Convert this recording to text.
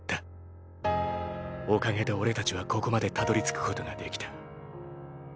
おかげで俺たちはここまでたどりつくことができた。